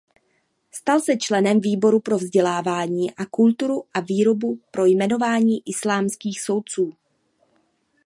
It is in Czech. Stal se členem výboru pro vzdělávání a kulturu a výboru pro jmenování islámských soudců.